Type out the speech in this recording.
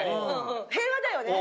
平和だよね。